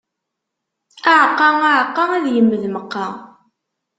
Aɛeqqa, aɛeqqa, ad yemmed meqqa.